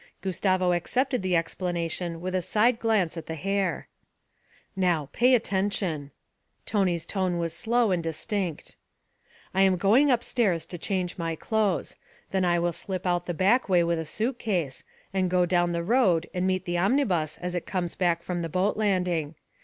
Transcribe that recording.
Gustavo accepted the explanation with a side glance at the hair. 'Now, pay attention.' Tony's tone was slow and distinct. 'I am going upstairs to change my clothes. Then I will slip out the back way with a suit case, and go down the road and meet the omnibus as it comes back from the boat landing.